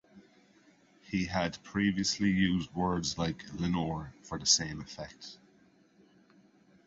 He had previously used words like "Lenore" for the same effect.